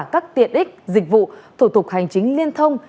các tiện ích dịch vụ thủ tục hành chính liên thông